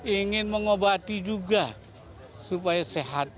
ingin mengobati juga supaya sehat